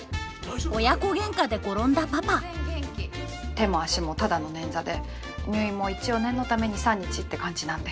親子げんかで転んだパパ手も足もただの捻挫で入院も一応念のため２３日って感じなんで。